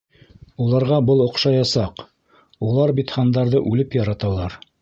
Уларға был оҡшаясаҡ, улар бит һандарҙы үлеп яраталар.